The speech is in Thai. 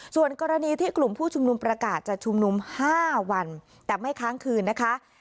ส่วนกรณีที่กลุ่มผู้ชุมนุมประกาศจะชุมนุม๕วันแต่ไม่ค้างคืนนะคะ